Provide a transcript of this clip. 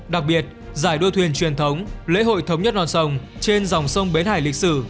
đặc biệt giải đua thuyền truyền thống lễ hội thống nhất non sông trên dòng sông bến hải lịch sử